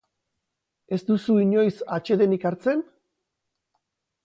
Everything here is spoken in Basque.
Ez duzu inoiz atsedenik hartzen?